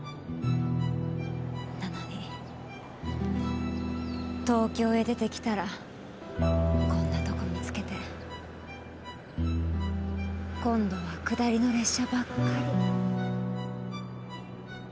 なのに東京へ出てきたらこんなとこ見つけて今度は下りの列車ばっかり。